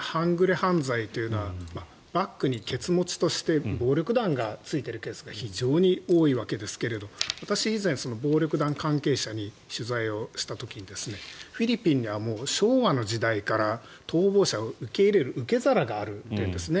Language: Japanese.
犯罪はバックにけつ持ちとして暴力団がついているケースが非常に多いわけですが私、以前暴力団関係者に取材した時にフィリピンはもう昭和の時代から逃亡者を受け入れる受け皿があるというんですね。